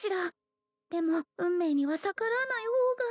でも運命には逆らわない方が。